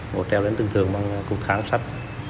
bộ treo đến từng thường bằng cục kháng sắt